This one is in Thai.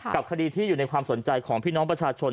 กับคดีที่อยู่ในความสนใจของพี่น้องประชาชน